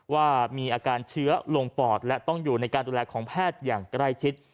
ว่ามีอาการเชื้อลงปอดและต้องอยู่ในการดูแลของแพทย์อย่างใกล้ชิด